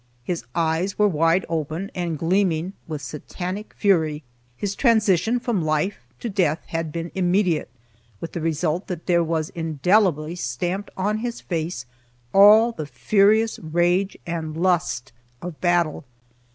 His eyes were wide open and gleaming with Satanic fury. His transition from life to death had been immediate, with the result that there was indelibly stamped on his face all the furious rage and lust of battle.